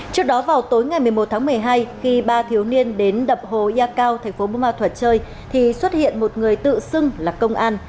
trước đó vào tối ngày một mươi một tháng một mươi hai khi ba thiếu niên đến đập hồ yakao tp bumma thuật chơi thì xuất hiện một người tự xưng là công an